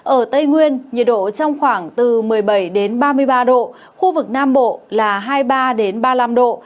ở tây nguyên nhiệt độ trong khoảng từ một mươi bảy đến ba mươi ba độ khu vực nam bộ là hai mươi ba ba mươi năm độ